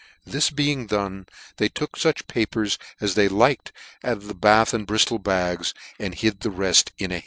This being done, they took fuch papers as they liked out of the Bath and Briftol bags, and hid the refl in a.